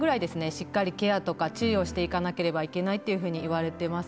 しっかりケアとか治療していかなければいけないというふうにいわれてます。